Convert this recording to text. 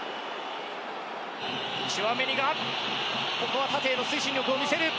チュアメニがここは縦への推進力を見せる。